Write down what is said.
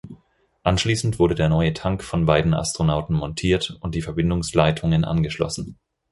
Anschließend wurde der neue Tank von beiden Astronauten montiert und die Verbindungsleitungen angeschlossen.